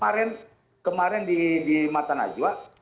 kemarin di mata najwa